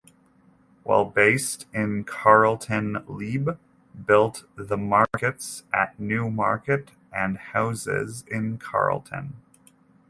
While based in Carlton Liebe built the markets at Newmarket and houses in Carlton.